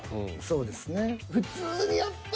そうですね。